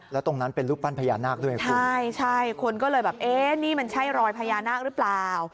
แล้วตรงนั้นเป็นรูปปั้นพญานาคด้วยคุณใช่ใช่คนก็เลยแบบเอ๊ะนี่มันใช่รอยพญานาคหรือเปล่า